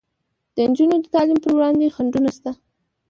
د نجونو د تعلیم پر وړاندې خنډونه شته.